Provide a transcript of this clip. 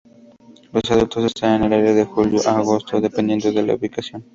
Los adultos están en el aire de julio a agosto, dependiendo de la ubicación.